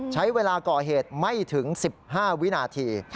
ใช้เวลาก่อเหตุไม่ถึง๑๕วินาที